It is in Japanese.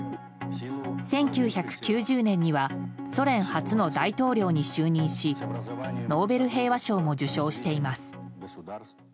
１９９０年にはソ連初の大統領に就任しノーベル平和賞も受賞しています。